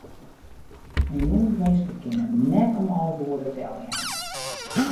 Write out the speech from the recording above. In jûnsminske kin him net om alve oere deljaan.